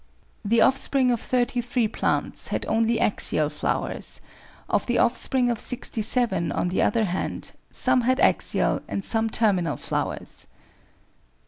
The offspring of 33 plants had only axial flowers; of the offspring of 67, on the other hand, some had axial and some terminal flowers.